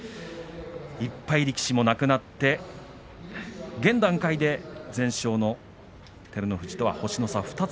１敗力士もいなくなって現段階で全勝の照ノ富士とは星の差２つ。